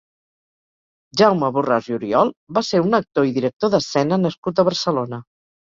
Jaume Borràs i Oriol va ser un actor i director d'escena nascut a Barcelona.